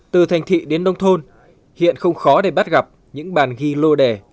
từ thành thị đến nông thôn hiện không khó để bắt gặp những bàn ghi lô đề